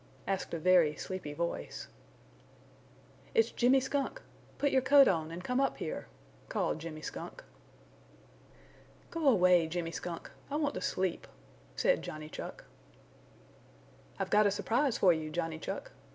asked a very sleepy voice. "It's Jimmy Skunk. Put your coat on and come up here!" called Jimmy Skunk. "Go away, Jimmy Skunk. I want to sleep!" said Johnny Chuck. "I've got a surprise for you, Johnny Chuck.